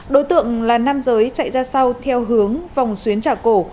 đối tượng là nam giới chạy ra sau theo hướng vòng xuyến trả cổ